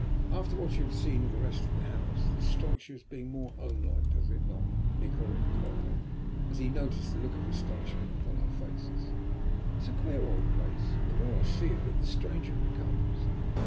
"After what you have seen of the rest of the house, this strikes you as being more homelike, does it not?" Nikola inquired, as he noticed the look of astonishment upon our faces. "It is a queer old place, and the more I see of it the stranger it becomes.